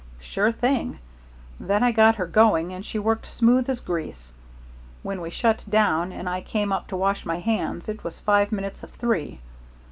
"Sure thing. Then I got her going and she worked smooth as grease. When we shut down and I came up to wash my hands, it was five minutes of three.